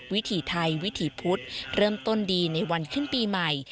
วิถีไทยวิถีพุธเริ่มต้นดีในวันขึ้นปีใหม่